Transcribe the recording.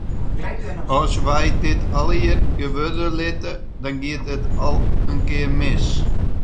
As wy dit allegear gewurde litte, dan giet it in kear mis.